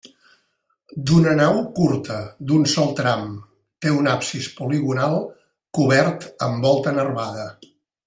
D'una nau curta, d'un sol tram, té un absis poligonal cobert amb volta nervada.